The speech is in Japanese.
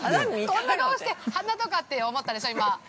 ◆こんな顔して花とかって思ったでしょう、今。